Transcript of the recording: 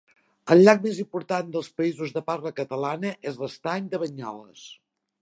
El llac més important dels països de parla catalana és l'estany de Banyoles.